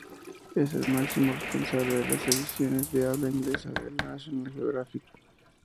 Es el máximo responsable de las ediciones de habla inglesa de la "National Geographic".